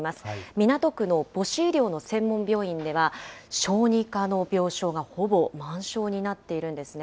港区の母子医療の専門病院では、小児科の病床がほぼ満床になっているんですね。